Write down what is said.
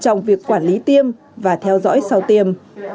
trong việc quản lý tiêm và theo dõi sau tiêm